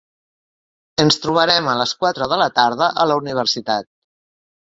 Ens trobarem a les quatre de la tarda a la universitat.